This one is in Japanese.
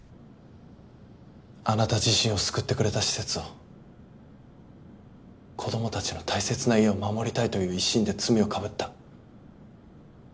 あなた自身を救ってくれた施設を子どもたちの大切な家を守りたいという一心で罪を被った。